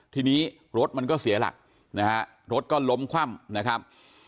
ทีนี้รถมันก็เสียหลักนะฮะรถก็ล้มคว่ำนะครับ